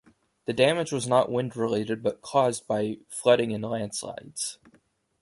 The damage was not wind related, but caused by flooding and landslides.